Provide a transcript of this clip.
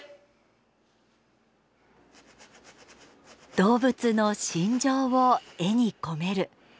動物の心情を絵に込める。